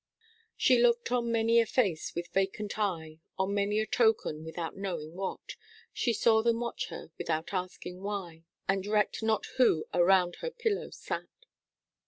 'She looked on many a face with vacant eye, On many a token without knowing what; She saw them watch her, without asking why, And recked not who around her pillow sat.'